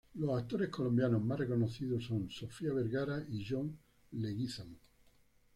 Los actores colombianos más reconocidos son Sofía Vergara y John Leguízamo.